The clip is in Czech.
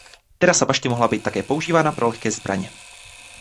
Terasa bašty mohla být také používána pro lehké zbraně.